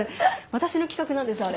私の企画なんですあれ。